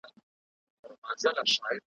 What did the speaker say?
خو هر ګوره یو د بل په ځان بلا وه ,